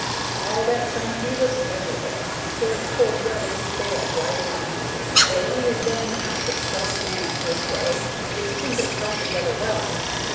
All that summer he was miser'ble, and towards cold weather he failed right along, though he had been a master strong man in his day, and his timbers held together well.